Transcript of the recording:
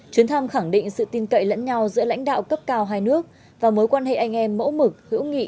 chuyến thăm khẳng định sự tin cậy lẫn nhau giữa lãnh đạo cấp cao hai nước và mối quan hệ anh em mẫu mực hữu nghị